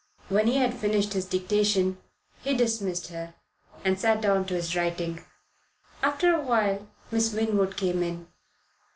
When he had finished his dictation he dismissed her and sat down to his writing. After a while Miss Winwood came in.